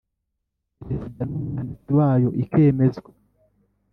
Perezida n umwanditsi wayo ikemezwa